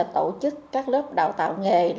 tổ chức các lớp đào tạo nghề